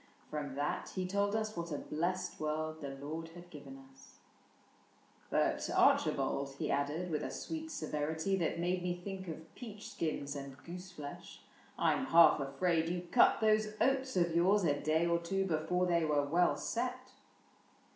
From that he told us what a blessed world The Lord had given us. —'' But, Archibald, He added, with a sweet severity That made me think of peach skins and goose flesh, ^^ I 'm half afraid you cut those oats of yours A day or two before they were well set."